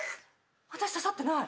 私刺さってない。